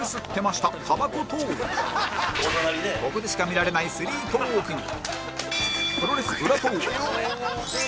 ここでしか見られないスリートーークに